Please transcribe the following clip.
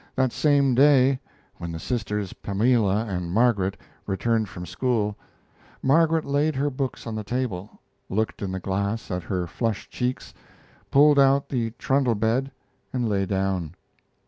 That same day, when the sisters, Pamela and Margaret, returned from school, Margaret laid her books on the table, looked in the glass at her flushed cheeks, pulled out the trundle bed, and lay down.